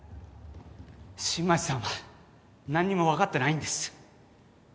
新町さんは何にも分かってないんです